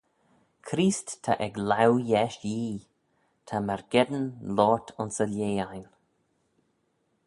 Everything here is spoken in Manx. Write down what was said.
Creest ta ec laue yesh Yee, ta myrgeddin loayrt ayns y lieh ain.